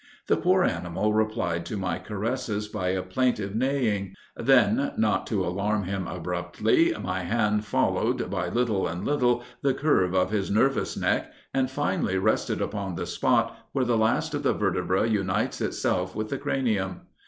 The poor animal replied to my caresses by a plaintive neighing; then, not to alarm him abruptly, my hand followed, by little and little, the curve of his nervous neck, and finally rested upon the spot where the last of the vertebrae unites itself with the cranium.